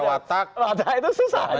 wata itu susah